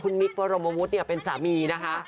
คุณมิดพรมมมุทรเนี่ยเป็นสามีนะคะ